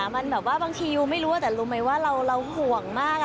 มันแบบว่าบางทียูไม่รู้แต่รู้ไหมว่าเราห่วงมาก